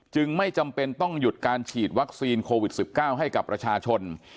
ไม่จำเป็นต้องหยุดการฉีดวัคซีนโควิด๑๙ให้กับประชาชน